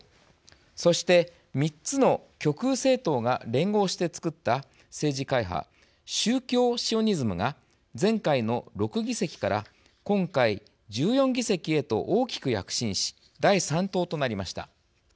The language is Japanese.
そして、３つの極右政党が連合してつくった政治会派宗教シオニズムが前回の６議席から今回１４議席へと大きく躍進し第３党となりました。